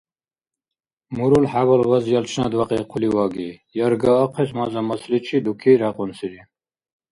Мурул хӀябал баз ялчнад вякьи хъулив аги. Ярга ахъес маза-масличи дуки рякьунсири.